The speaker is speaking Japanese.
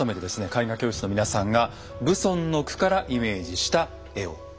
絵画教室の皆さんが蕪村の句からイメージした絵を用意しました。